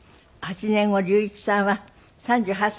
８年後龍一さんは３８歳になる。